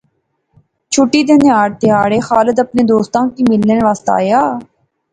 چُھٹی نے تہاڑے خالد اپنے دوستا کی ملنے آسطے گیا